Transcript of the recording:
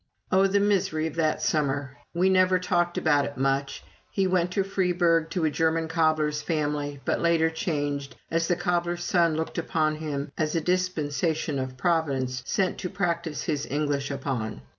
Oh, the misery of that summer! We never talked about it much. He went to Freiburg, to a German cobbler's family, but later changed, as the cobbler's son looked upon him as a dispensation of Providence, sent to practise his English upon.